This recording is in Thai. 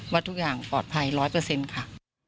ว่าทุกอย่างปลอดภัย๑๐๐ค่ะ